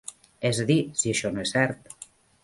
És a dir si això no és cert.